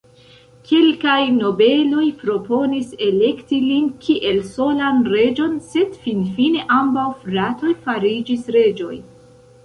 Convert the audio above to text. Kelkaj nobeloj proponis elekti lin kiel solan reĝon, sed finfine ambaŭ fratoj fariĝis reĝoj.